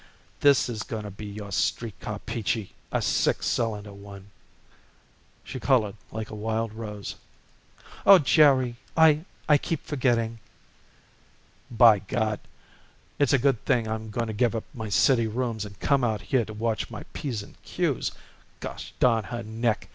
"This is going to be your street car, Peachy, a six cylinder one." She colored like a wild rose. "Oh, Jerry, I I keep forgetting." "By Gad! it's a good thing I'm going to give up my city rooms and come out here to watch my p's and q's. Gosh darn her neck!